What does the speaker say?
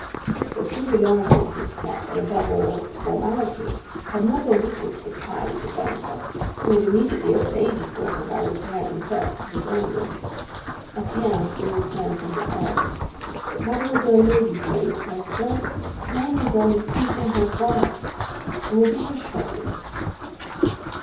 The singularity of this step, and above all its formality, had not a little surprised the banker, who had immediately obeyed his daughter by repairing first to the drawing room. Étienne soon returned from his errand. "Mademoiselle's lady's maid says, sir, that mademoiselle is finishing her toilette, and will be here shortly."